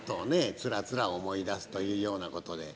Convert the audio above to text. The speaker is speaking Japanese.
つらつら思い出すというようなことで。